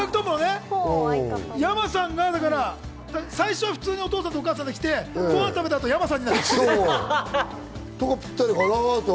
山さんが最初普通のお母さんとお父さんできて、ご飯食べたら山さんで。